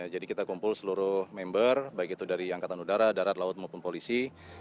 jadi kita kumpul seluruh member baik itu dari angkatan udara darat laut maupun polisi